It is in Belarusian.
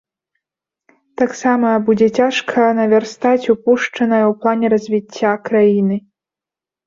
Таксама будзе цяжка навярстаць упушчанае ў плане развіцця краіны.